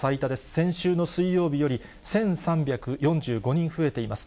先週の水曜日より１３４５人増えています。